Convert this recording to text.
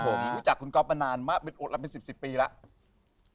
พูดจากคุณก๊อฟนานมามาเป็นสิบปีแล้ว